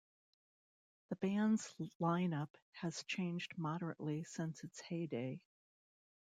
The band's lineup has changed moderately since its heyday.